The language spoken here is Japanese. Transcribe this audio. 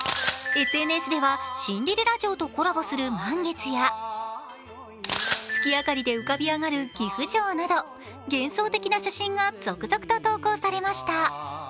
ＳＮＳでは、シンデレラ城とコラボする満月や月明かりで浮かび上がる岐阜城など、幻想的な写真が続々と投稿されました。